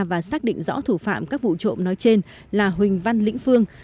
và xác định rõ thủ phạm các vụ trộm nói trên là huỳnh văn lĩnh phương